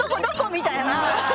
みたいな。